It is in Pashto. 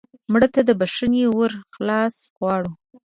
مړه ته د بښنې ور خلاص غواړو